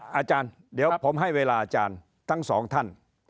อาจารย์เดี๋ยวผมให้เวลาอาจารย์ทั้งสองท่าน